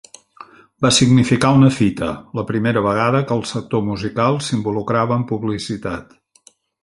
Va significar una fita: la primera vegada que el sector musical s'involucrava en publicitat.